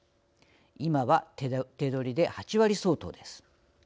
今は、手取りで８割相当です。